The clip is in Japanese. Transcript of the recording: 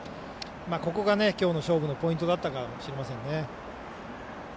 ここがきょうの勝負のポイントだったかもしれませんね。